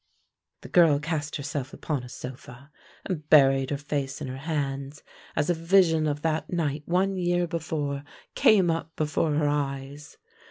The girl cast herself upon a sofa and buried her face in her hands, as a vision of that night one year before came up before her eyes.